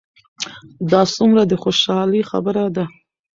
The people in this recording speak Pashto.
دا څومره د خوشحالۍ خبر ده؟